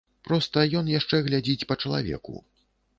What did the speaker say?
Проста ён яшчэ глядзіць па чалавеку.